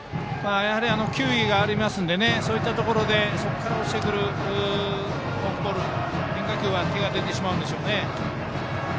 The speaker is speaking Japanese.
球威がありますのでそこから落ちるフォークボール変化球は手が出てしまうんでしょうね。